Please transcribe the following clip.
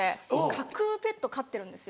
架空ペット飼ってるんですよ。